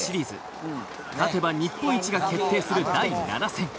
勝てば日本一が決定する第７戦。